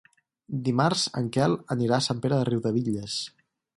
Dimarts en Quel anirà a Sant Pere de Riudebitlles.